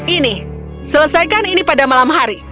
ini selesaikan ini pada malam hari